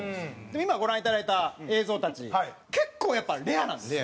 今ご覧いただいた映像たち結構やっぱレアなんですよ。